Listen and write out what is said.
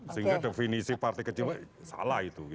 sehingga definisi partai kecil salah itu